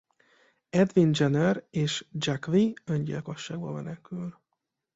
Edwin Jenner és Jacqui öngyilkosságba menekül.